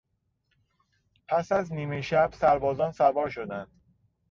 پس از نیمه شب سربازان سوار شدند.